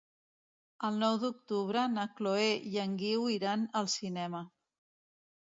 El nou d'octubre na Chloé i en Guiu iran al cinema.